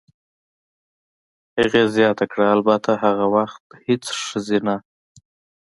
هغې زیاته کړه: "البته، هغه وخت هېڅ ښځینه.